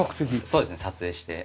そうですね撮影して。